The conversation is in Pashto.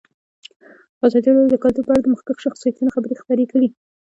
ازادي راډیو د کلتور په اړه د مخکښو شخصیتونو خبرې خپرې کړي.